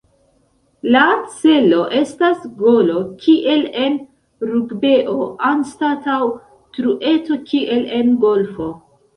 La celo estas golo kiel en rugbeo anstataŭ trueto kiel en golfo.